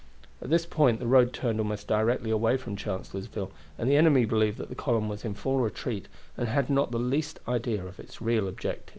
At this point the road turned almost directly away from Chancellorsville, and the enemy believed that the column was in full retreat, and had not the least idea of its real object.